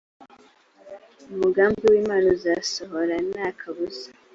umugambi w imana uzasohora nta kabuza